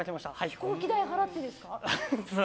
飛行機代払ってですか？